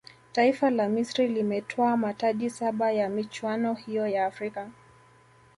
taifa la misri limetwaa mataji saba ya michuano hiyo ya afrika